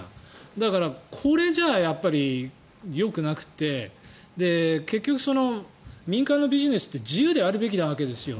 だから、これじゃやっぱりよくなくて結局、民間のビジネスって自由であるべきなわけですよ。